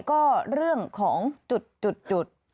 ก็เรื่องของจุด